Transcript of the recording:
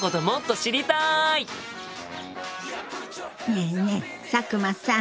ねえねえ佐久間さん。